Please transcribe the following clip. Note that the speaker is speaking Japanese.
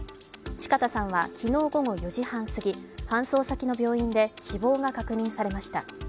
四方さんは昨日午後４時半すぎ、搬送先の病院で死亡が確認されました。